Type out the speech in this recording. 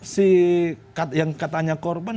si yang katanya korban